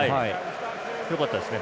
よかったですね。